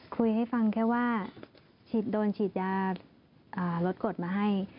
คุยให้ฟังแค่ว่าโดนฉีดยาลดกดมาให้